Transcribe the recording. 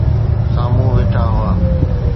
سامهون ويٺا هئا